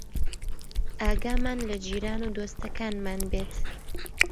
ئاگامان لە جیران و دۆستەکانمان بێت